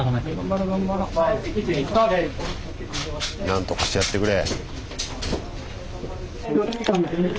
なんとかしてやってくれ。